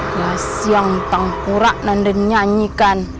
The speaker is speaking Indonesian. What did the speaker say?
gak siang tang kurak nanda nyanyikan